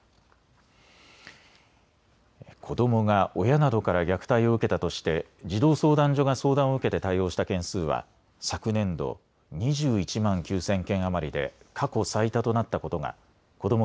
子どもが親などから虐待を受けたとして児童相談所が相談を受けて対応した件数は昨年度、２１万９０００件余りで過去最多となったことがこども